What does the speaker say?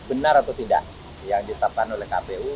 benar atau tidak yang ditetapkan oleh kpu